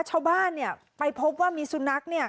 ชาวบ้านเนี่ยไปพบว่ามีสุนัขเนี่ย